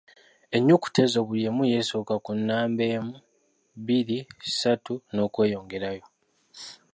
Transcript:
Ennyukuta ezo buli emu y'esooka ku nnamba emu, bbiri, ssatu, n'okweyongerayo.